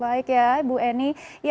baik ya ibu eni